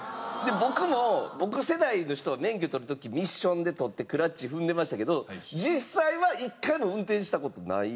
僕も僕世代の人が免許取る時ミッションで取ってクラッチ踏んでましたけど実際は一回も運転した事ない。